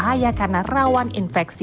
bahaya karena rawan infeksi